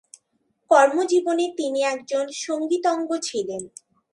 কর্মজীবনে তিনি একজন সংগীতজ্ঞ ছিলেন।